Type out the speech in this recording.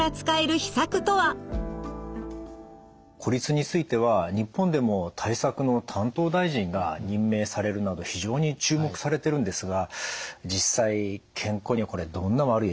孤立については日本でも対策の担当大臣が任命されるなど非常に注目されてるんですが実際健康にはこれどんな悪い影響があるんでしょう？